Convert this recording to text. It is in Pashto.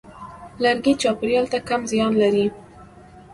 لرګی چاپېریال ته کم زیان لري.